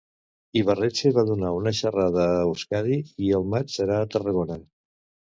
Ibarretxe va donar una xerrada a Euskadi i al maig serà a Tarragona.